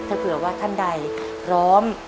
ถ้าเผื่อว่าท่านใดพร้อม